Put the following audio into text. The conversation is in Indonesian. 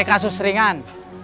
ini tk susringan